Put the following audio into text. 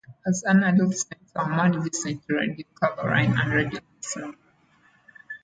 As an adolescent, Almond listened to Radio Caroline and Radio Luxembourg.